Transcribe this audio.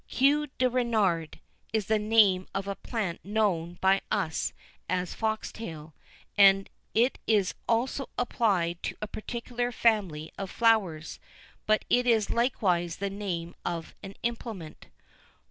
"Queue de Renard" is the name of a plant known by us as foxtail, and it is also applied to a particular family of flowers; but it is likewise the name of an implement.